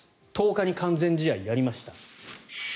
１０日に完全試合をやりました。